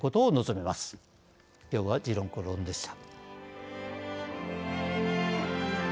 きょうは「時論公論」でした。